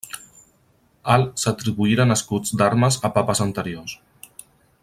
Al s'atribuïren escuts d'armes a papes anteriors.